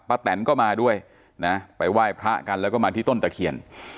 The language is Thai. แตนก็มาด้วยนะไปไหว้พระกันแล้วก็มาที่ต้นตะเคียน